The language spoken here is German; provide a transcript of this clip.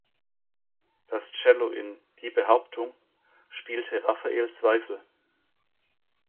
Das Cello in "Die Behauptung" spielte Raphael Zweifel.